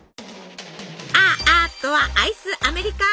「ア．ア」とはアイスアメリカーノ。